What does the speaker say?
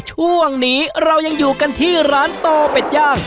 ช่วงนี้เรายังอยู่กันที่ร้านโตเป็ดย่าง